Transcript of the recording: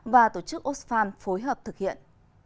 và tổ chức oxfam phối hợp thực hiện